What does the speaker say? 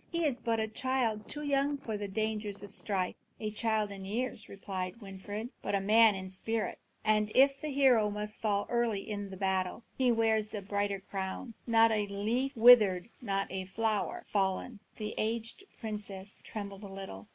He is but a child, too young for the dangers of strife." "A child in years," replied Winfried, "but a man in spirit. And if the hero must fall early in the battle, he wears the brighter crown, not a leaf withered, not a flower fallen." The aged princess trembled a little.